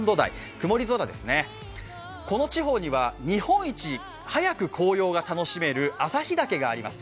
曇り空ですね、この地方には日本一早く紅葉が楽しめる旭岳があります。